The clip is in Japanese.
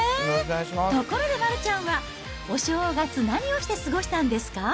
ところで丸ちゃんは、お正月、何をして過ごしたんですか？